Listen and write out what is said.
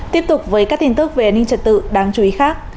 tiếp tục với các tin tức về an ninh trật tự đáng chú ý khác